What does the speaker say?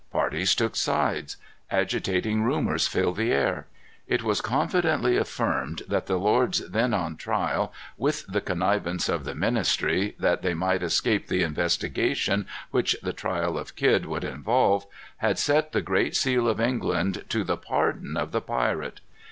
Parties took sides. Agitating rumors filled the air. It was confidently affirmed that the lords then on trial, with the connivance of the ministry, that they might escape the investigation which the trial of Kidd would involve, had set the Great Seal of England to the pardon of the pirate.